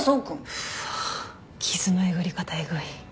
うわっ傷のえぐり方エグい。